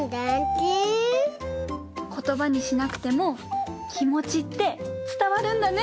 ことばにしなくてもきもちってつたわるんだね！